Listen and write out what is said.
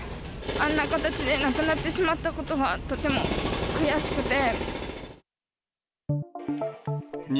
あんな形で亡くなってしまったことがとても悔しくて。